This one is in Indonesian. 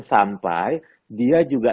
sampai dia juga